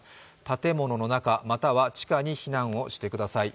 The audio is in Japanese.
建物の中、または地下に避難をしてください。